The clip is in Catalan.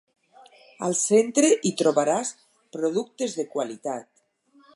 Al centre hi trobaràs productes de qualitat.